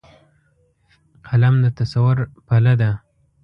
قلم د تصور پله ده